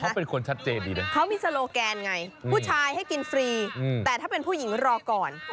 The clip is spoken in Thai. เขาเป็นคนชัดเจนดีนะเขามีโลแกนไงผู้ชายให้กินฟรีแต่ถ้าเป็นผู้หญิงรอก่อน